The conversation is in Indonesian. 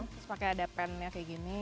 terus pakai ada pennya kayak gini